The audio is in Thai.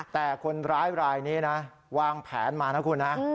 แต่คนร้ายรายนี้นะวางแผนมานะคุณนะ